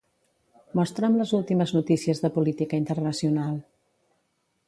Mostra'm les últimes notícies de política internacional.